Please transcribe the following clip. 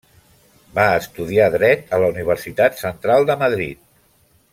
Va estudiar dret a la Universitat Central de Madrid.